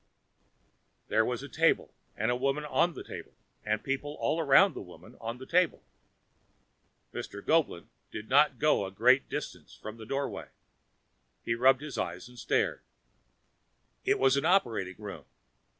There was a table and a woman on the table and people all around the woman on the table. Mr. Goeblin did not go a great distance from the doorway: he rubbed his eyes and stared. It was an operating room.